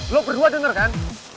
lo berdua denger kan